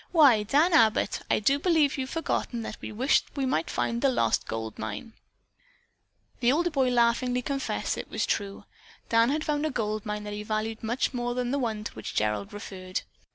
"Why, Dan Abbott, I do believe you've forgotten that we wished we might find the lost gold mine." The older boy laughingly confessed that was true. Dan had found a gold mine that he valued much more than the one to which Gerald referred.